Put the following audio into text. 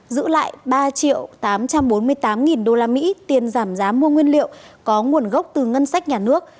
giữ lại ba triệu tám trăm bốn mươi tám usd tiền giảm giá mua nguyên liệu có nguồn gốc từ ngân sách nhà nước